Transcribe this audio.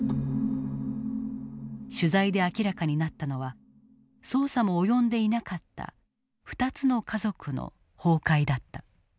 取材で明らかになったのは捜査も及んでいなかった２つの家族の崩壊だった。